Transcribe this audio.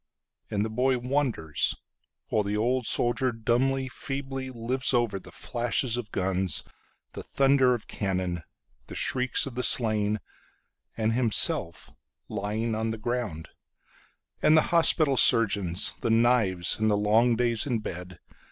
And the boy wonders, while the old soldierDumbly, feebly lives overThe flashes of guns, the thunder of cannon, The shrieks of the slain, And himself lying on the ground, And the hospital surgeons, the knives, And the long days in bed.